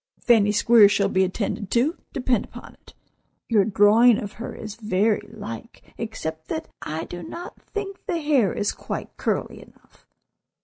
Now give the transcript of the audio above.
"Fanny Squeers shall be attended to, depend upon it. Your drawing of her is very like, except that I do not think the hair is quite curly enough.